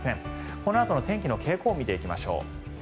このあとの天気の傾向を見ていきましょう。